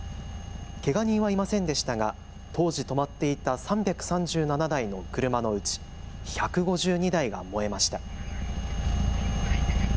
けが人はいませんでしたが当時止まっていた３３７台の車のうち１５２台が燃えました。